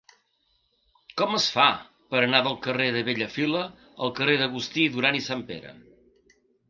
Com es fa per anar del carrer de Bellafila al carrer d'Agustí Duran i Sanpere?